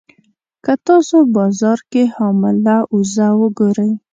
که تاسو بازار کې حامله اوزه وګورئ.